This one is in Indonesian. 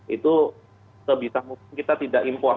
itu sebisa mungkin kita tidak import